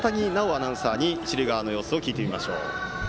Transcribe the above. アナウンサーに一塁側の様子を聞いてみましょう。